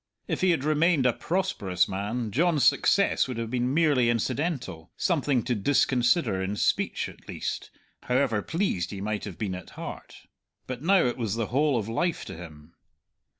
If he had remained a prosperous man, John's success would have been merely incidental, something to disconsider in speech, at least, however pleased he might have been at heart. But now it was the whole of life to him.